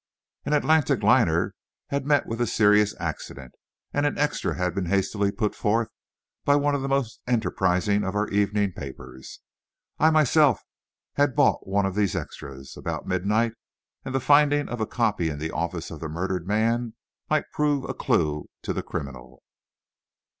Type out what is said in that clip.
An Atlantic liner had met with a serious accident, and an extra had been hastily put forth by one of the most enterprising of our evening papers. I, myself, had bought one of these extras, about midnight; and the finding of a copy in the office of the murdered man might prove a clue to the criminal.